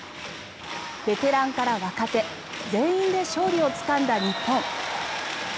ベテランから若手全員で勝利をつかんだ日本。